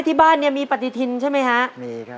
ไม่ที่บ้านมีปฏิทินใช่ไหมคะมีครับ